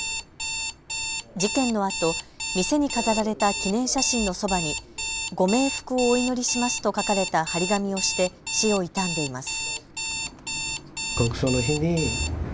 事件のあと、店に飾られた記念写真のそばにご冥福をお祈りしますと書かれた張り紙をして死を悼んでいます。